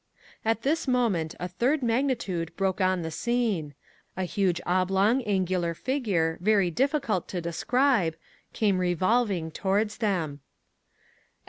At this moment a third magnitude broke on the scene: a huge oblong, angular figure, very difficult to describe, came revolving towards them.